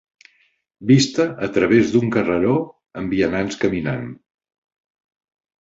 Vista a través d'un carreró amb vianants caminant.